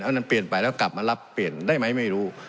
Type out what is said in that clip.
อันนั้นเปลี่ยนไปแล้วกลับมารับเปลี่ยนได้ไหมไม่รู้